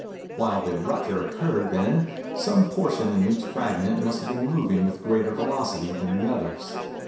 When the rupture occurred, then, some portion in each fragment must have been moving with greater velocity than the others.